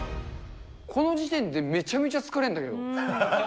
この時点でめちゃめちゃ疲れんだけど。